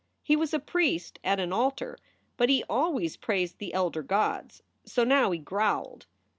He was a priest at an altar, but he always praised the elder gods. So now he growled.